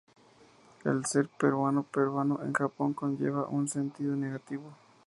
El ser "peruano peruano" en Japón conlleva un sentido negativo.